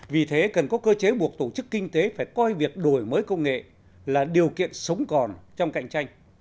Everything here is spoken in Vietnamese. vì thế cần có cơ chế buộc tổ chức kinh tế phải coi việc đổi mới công nghệ là điều kiện sống còn trong cạnh tranh